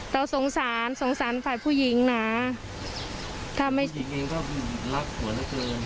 เราสงสารสงสารฝ่ายผู้หญิงนะถ้าไม่ผู้หญิงเองก็รักผู้หญิงเกิน